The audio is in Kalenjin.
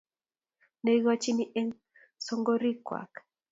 Ne igochinin eng songorikwak